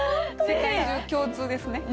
世界中共通ですね。